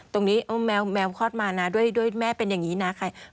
ตรงนี้แมวคลอดมานะด้วยแม่เป็นอย่างนี้นะใคร